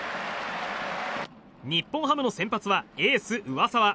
日本ハムの先発はエース、上沢。